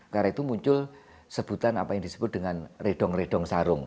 karena itu muncul sebutan apa yang disebut dengan redong redong sarung